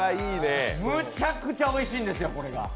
むちゃくちゃおいしいんですよ、これが。